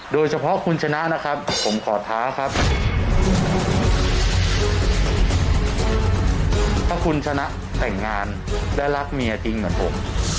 ได้รักเมียจริงเหมือนผม